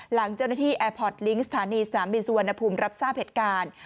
หลังเจ้าหน้าที่แอร์พอร์ตลิงก์สถานีสนามบินสุวรรณภูมิรับทราบเหตุการณ์